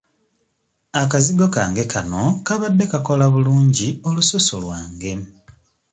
Akazigo kange kano kabadde kakola bulungi olususu lwange.